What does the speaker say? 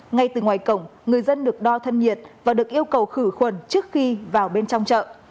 ngay từ ngoài cổng người dân được đo thân nhiệt và được yêu cầu khử khuẩn trước khi vào bên trong chợ